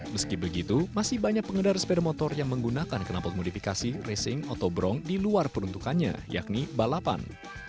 meski begitu masih banyak pengendara sepeda motor yang menggunakan kenalpot modifikasi racing atau bronk di luar peruntukannya yakni balapan